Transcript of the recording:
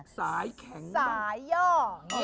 สายแข็งบ้าง